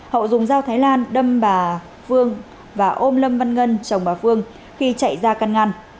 hậu dùng dao thái lan đâm bà phương và ôm lâm văn ngân chồng bà phương khi chạy ra căn ngăn